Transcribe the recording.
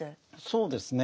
そうですね。